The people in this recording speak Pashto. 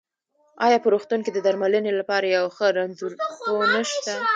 ايا په روغتون کې د درمنلې لپاره يو ښۀ رنځپوۀ شته؟